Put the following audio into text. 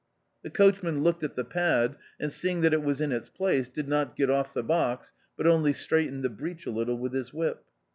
The coachman looked at the pad and seeing that it was in its place did not get off the box but only straightened the breach a little with his whip.